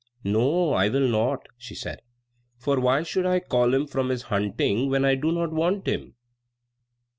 "No, I will not," she said; "for why should I call him from his hunting when I do not want him?"